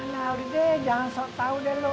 nah udah deh jangan sok tau deh lo